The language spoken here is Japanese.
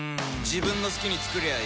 自分の好きに作りゃいい